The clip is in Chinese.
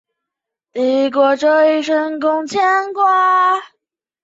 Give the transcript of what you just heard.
我现在站在宿舍前面